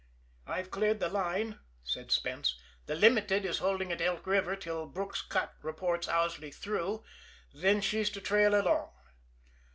"I've cleared the line," said Spence. "The Limited is holding at Elk River till Brook's Cut reports Owsley through then she's to trail along."